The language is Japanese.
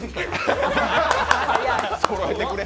そろえてくれ。